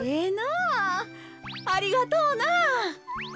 ありがとうな。